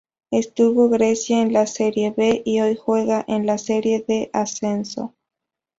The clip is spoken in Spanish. Estuvo Grecia en la Serie B y hoy juega en la serie de Ascenso.